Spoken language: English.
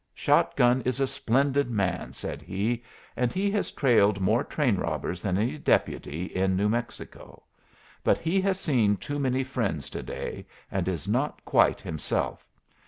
"Shot gun is a splendid man," said he, "and he has trailed more train robbers than any deputy in New Mexico. But he has seen too many friends to day, and is not quite himself.